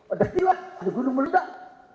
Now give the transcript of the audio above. ada tiwat ada gunung meludak